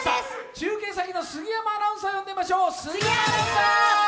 中継先の杉山アナウンサー、呼んでみましょう！